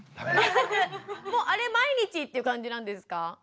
もうあれ毎日っていう感じなんですか？